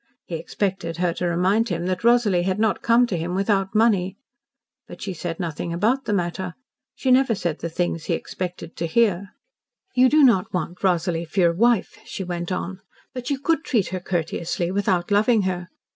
He expected her to remind him that Rosalie had not come to him without money. But she said nothing about the matter. She never said the things he expected to hear. "You do not want Rosalie for your wife," she went on "but you could treat her courteously without loving her.